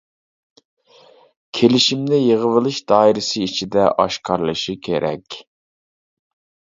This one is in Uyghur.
كېلىشىمنى يىغىۋېلىش دائىرىسى ئىچىدە ئاشكارىلىشى كېرەك.